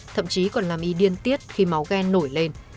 thậm chí còn làm y điên tiết khi máu ghen nổi lên